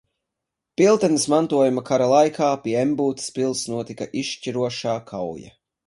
Piltenes mantojuma kara laikā pie Embūtes pils notika izšķirošā kauja.